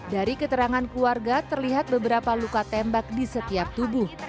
dari keterangan keluarga terlihat beberapa luka tembak di setiap tubuh